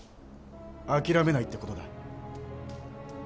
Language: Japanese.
あきらめないって事だ。